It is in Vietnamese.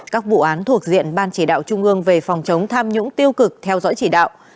các vụ án thuộc diện ban chỉ đạo trung ương về phòng chống tham nhũng tiêu cực theo dõi chỉ đạo